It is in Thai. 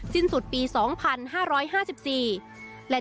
สิ้นสุดปี๒พันห้าหร้อยห้าสิบสี่